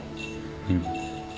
うん。